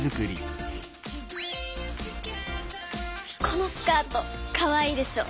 このスカートかわいいでしょ。